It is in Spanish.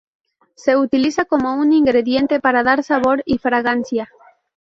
Se utiliza como un ingrediente para dar sabor y fragancia.